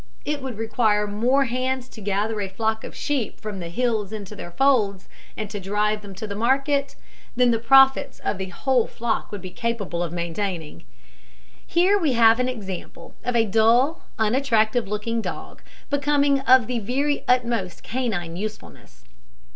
It would require more hands to gather a flock of sheep from the hills into their folds, and drive them to market, than the profits of the whole flock would be capable of maintaining. Here we have an example of a dull, unattractive looking dog becoming of the very utmost canine usefulness.